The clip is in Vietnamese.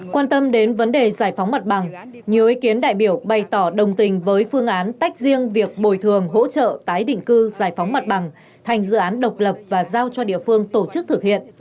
quan tâm đến vấn đề giải phóng mặt bằng nhiều ý kiến đại biểu bày tỏ đồng tình với phương án tách riêng việc bồi thường hỗ trợ tái định cư giải phóng mặt bằng thành dự án độc lập và giao cho địa phương tổ chức thực hiện